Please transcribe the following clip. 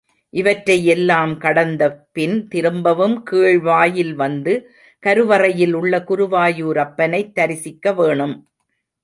இவற்றை எல்லாம் கடந்தபின் திரும்பவும் கீழ்வாயில் வந்து கருவறையில் உள்ள குருவாயூரப்பனைத் தரிசிக்க வேணும்.